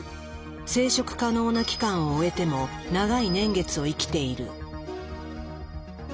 生殖可能な期間を終えても長い年月を生きている。